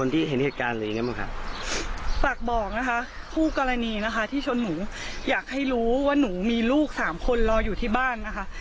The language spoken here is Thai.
ที่ชนหนูอยากให้รู้ว่าหนูมีลูก๓คนรออยู่ที่บ้านนะคะ